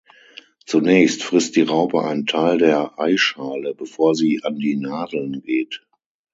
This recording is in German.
Zunächst frisst die Raupe einen Teil der Eischale, bevor sie an die Nadeln geht.